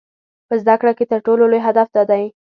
په زده کړه کې تر ټولو لوی هدف دا دی.